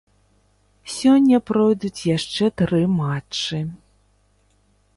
Сёння пройдуць яшчэ тры матчы.